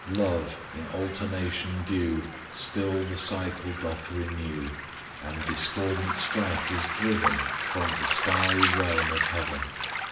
Love, in alternation due, Still the cycle doth renew, And discordant strife is driven From the starry realm of heaven.